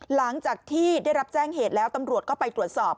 หลังจากที่ได้รับแจ้งเหตุแล้วตำรวจก็ไปตรวจสอบ